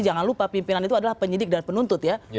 jangan lupa pimpinan itu adalah penyidik dan penuntut ya